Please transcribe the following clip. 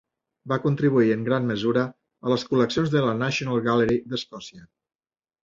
Va contribuir en gran mesura a les col·leccions de la National Gallery d'Escòcia.